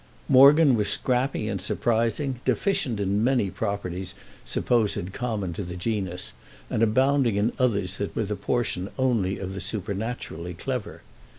Morgan was scrappy and surprising, deficient in many properties supposed common to the genus and abounding in others that were the portion only of the supernaturally clever.